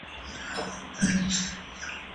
څنګه کلمه سمه لوستل کېږي؟